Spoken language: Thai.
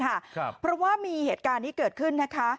เพราะว่ามีเหตุการณ์ที่เกิดขึ้นนะคะ